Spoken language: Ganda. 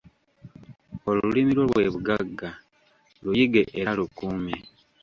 Olulimi lwo bwe bugagga, luyige era lukuume.